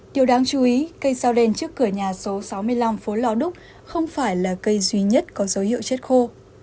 điều đáng chú ý cây sao đen trước cửa nhà số sáu mươi năm phố lò đúc không phải là cây duy nhất có dấu hiệu chết khô